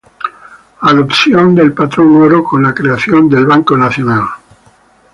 Adopción del patrón oro con la creación del Banco Nacional.